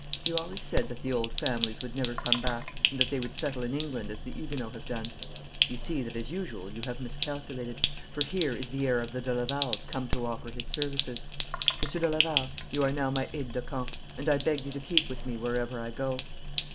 'You always said that the old families would never come back, and that they would settle in England as the Huguenots have done. You see that, as usual, you have miscalculated, for here is the heir of the de Lavals come to offer his services. Monsieur de Laval, you are now my aide de camp, and I beg you to keep with me wherever I go.'